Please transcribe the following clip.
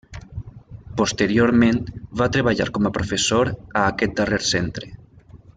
Posteriorment, va treballar com a professor a aquest darrer centre.